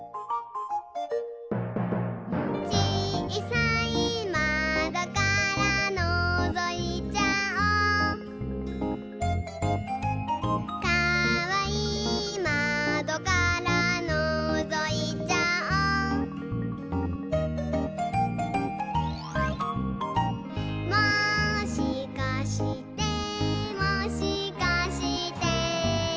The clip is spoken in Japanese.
「ちいさいまどからのぞいちゃおう」「かわいいまどからのぞいちゃおう」「もしかしてもしかして」